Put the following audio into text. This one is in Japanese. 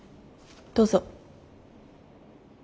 どうぞ。